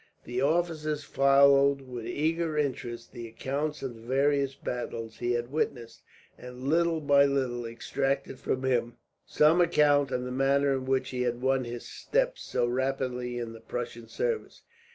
The officers followed with eager interest the accounts of the various battles he had witnessed, and little by little extracted from him some account of the manner in which he had won his steps so rapidly in the Prussian service.